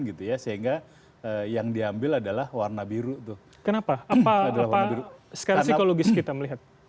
gitu ya sehingga yang diambil adalah warna biru tuh kenapa adalah warna biru psikologis kita melihat